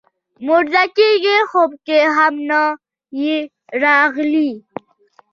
موده کېږي خوب کې هم نه یې راغلی